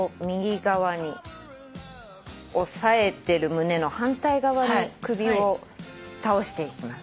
押さえてる胸の反対側に首を倒していきます。